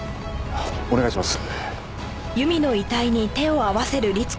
お願いします。